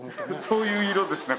そういう色ですね